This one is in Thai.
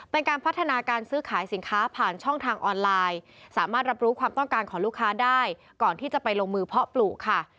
เป็นการพัฒนาการซื้อขายสินค้าผ่านช่องทางออนไลน์สามารถรับรู้ความต้องการของลูกค้าได้ก่อนที่จะไปลงมือเพาะปลูกค่ะ